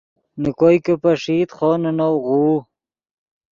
نے کوئے کہ پݰئیت خوو نے نؤ غوؤ